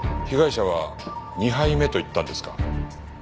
被害者は２杯目と言ったんですか？